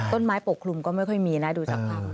ต้นไม้ปกขลุมก็ไม่ค่อยมีนะดูสภาพ